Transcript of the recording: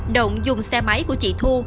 động dùng xe máy của chị thu